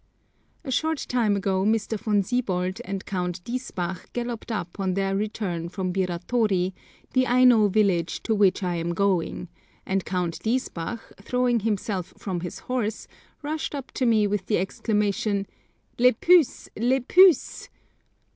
A short time ago Mr. Von Siebold and Count Diesbach galloped up on their return from Biratori, the Aino village to which I am going; and Count D., throwing himself from his horse, rushed up to me with the exclamation, Les puces! les puces!